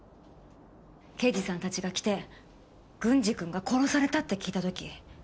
刑事さんたちが来て軍司君が殺されたって聞いた時。